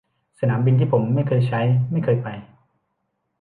สนามบินที่ผมไม่เคยใช้ ไม่เคยไป